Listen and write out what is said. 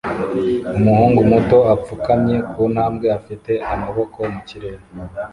Umuhungu muto apfukamye ku ntambwe afite amaboko mu kirere